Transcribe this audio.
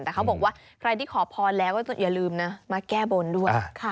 แต่เขาบอกว่าใครที่ขอพรแล้วก็อย่าลืมนะมาแก้บนด้วย